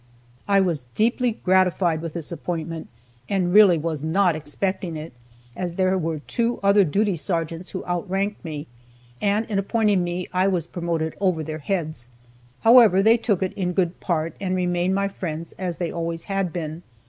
I was deeply gratified with this appointment, and really was not expecting it, as there were two other duty sergeants who outranked me, and in appointing me I was promoted over their heads. However, they took it in good part, and remained my friends, as they always had been.